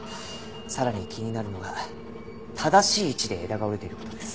さらに気になるのが正しい位置で枝が折れている事です。